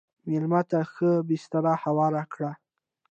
مېلمه ته ښه بستر هوار کړه.